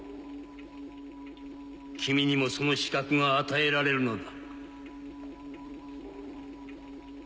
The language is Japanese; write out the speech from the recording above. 君にもその資格が与えられるのだ。